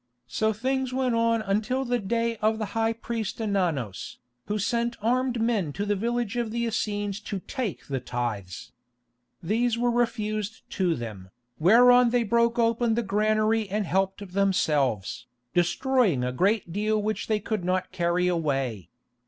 So things went on until the day of the high priest Ananos, who sent armed men to the village of the Essenes to take the tithes. These were refused to them, whereon they broke open the granary and helped themselves, destroying a great deal which they could not carry away.